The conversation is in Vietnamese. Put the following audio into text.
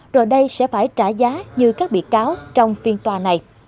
rồi đây sẽ phải trả giá như các bị cáo trong phiên tòa này